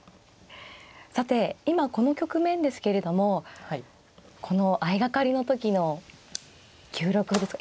さて今この局面ですけれどもこの相掛かりの時の９六歩ですが。